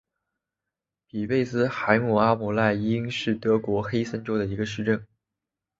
比贝斯海姆阿姆赖因是德国黑森州的一个市镇。